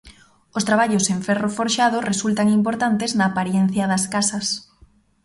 Os traballos en ferro forxado resultan importantes na aparencia das casas.